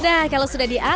nah kalau sudah diangkat